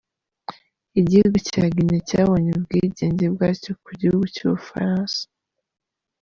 Igihugu cya Guinea cyabonye ubwigenge bwacyo ku gihugu cy’u Bufaransa.